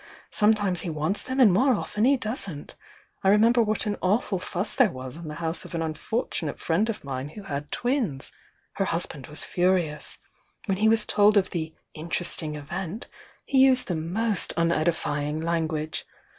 — sometimes he wants them ai.J more often he doesn't! — I remem ber what an awful fuss there was in the house of an unfortunate friend of mine who had twins. Her hus band was furious. When he was told of the 'inter esting event' he used the most unedifying language.